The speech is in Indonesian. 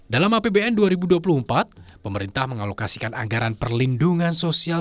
dalam apbn dua ribu dua puluh empat pemerintah mengalokasikan anggaran perlindungan sosial